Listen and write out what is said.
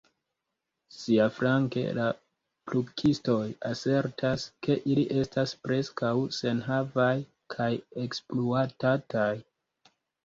Siaflanke, la plukistoj asertas, ke ili estas preskaŭ senhavaj kaj ekspluatataj.